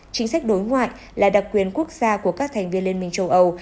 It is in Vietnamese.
chính sách đối ngoại là đặc quyền quốc gia của các thành viên liên minh châu âu